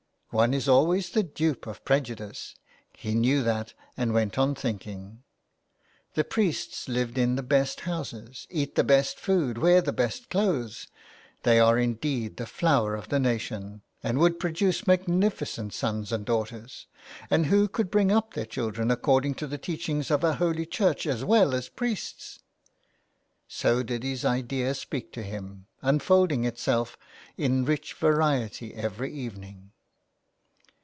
One is always the dupe of prejudice. He knew that and went on thinking. The priests live in the best houses, eat the best food, wear the best clothes; they are indeed the flower of the nation, and would . produce magnificent sons and daughters. And who could bring up their children according to the teaching of our holy church as well as priests ? So did his idea speak to him, unfolding itself in i8i A LETTER TO ROME. rich variety every evening.